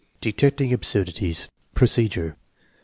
Detecting absurdities Procedure.